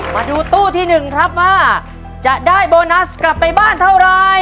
มาดูตู้ที่๑ครับว่าจะได้โบนัสกลับไปบ้านเท่าไร